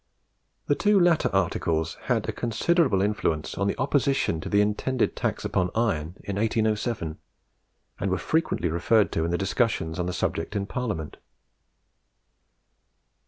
The two latter articles had a considerable influence on the opposition to the intended tax upon iron in 1807, and were frequently referred to in the discussions on the subject in Parliament.